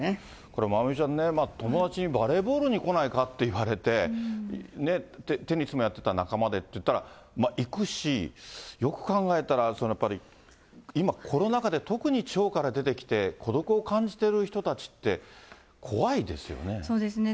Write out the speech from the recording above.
これまおみちゃんね、友達にバレーボールに来ないかって言われて、テニスもやってた仲間でっていったら、行くし、よく考えたら、やっぱり今、コロナ禍で特に地方から出てきて、孤独を感じてる人たちって、怖いですよね。